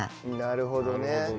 なるほどね。